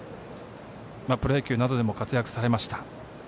プロ野球などでも活躍されました。